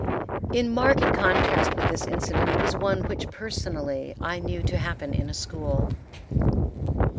In marked contrast with this incident is one which personally I knew to happen in a school.